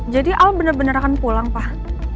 jadi al bener bener akan pulang pak